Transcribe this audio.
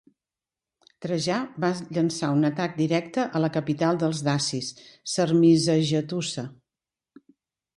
Trajà va llançar un atac directe a la capital dels dacis, Sarmizegetusa.